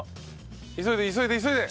急いで急いで急いで！